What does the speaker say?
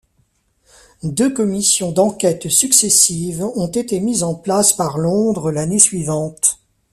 Deux commissions d'enquête successives ont été mises en place par Londres l'année suivante.